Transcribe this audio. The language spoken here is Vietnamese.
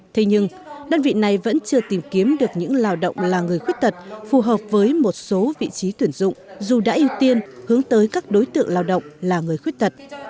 thế nhưng đơn vị này vẫn chưa tìm kiếm được những lao động là người khuyết tật phù hợp với một số vị trí tuyển dụng dù đã ưu tiên hướng tới các đối tượng lao động là người khuyết tật